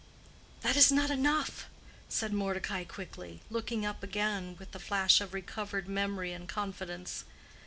"That is not enough," said Mordecai, quickly, looking up again with the flash of recovered memory and confidence.